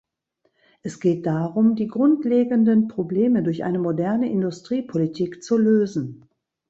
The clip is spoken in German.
Es geht darum, die grundlegenden Probleme durch eine moderne Industriepolitik zu lösen.